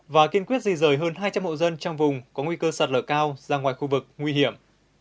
và kiên quyết di rời hơn hai trăm linh hộ dân trong vùng có nguy cơ sạt lở cao ra ngoài khu vực nguy hiểm